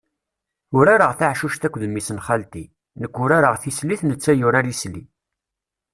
Urareɣ taɛcuct akked mmi-s n xalti, nek urareɣ tislit netta yurar isli.